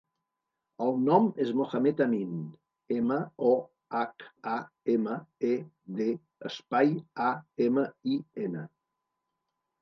El nom és Mohamed amin: ema, o, hac, a, ema, e, de, espai, a, ema, i, ena.